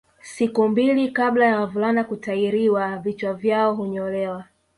Siku mbili kabla ya wavulana kutahiriwa vichwa vyao hunyolewa